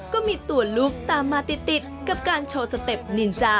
ขออนุญาตนะคะขออนุญาตนะคะ